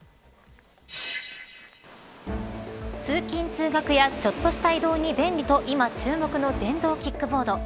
通勤、通学やちょっとした移動に便利と今、注目の電動キックボード。